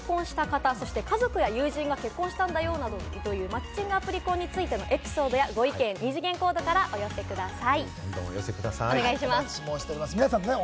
マッチングアプリで結婚した方、家族や友人が結婚したなど、マッチングアプリ婚についてのエピソードや、ご意見を二次元コードからお寄せください。